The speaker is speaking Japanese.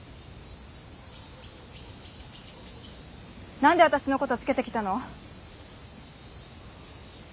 何で私のことつけてきたの？